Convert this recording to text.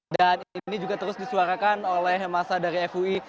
dan ini juga terus disuarakan oleh masa dari fui